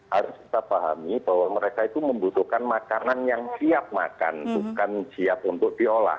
harus kita pahami bahwa mereka itu membutuhkan makanan yang siap makan bukan siap untuk diolah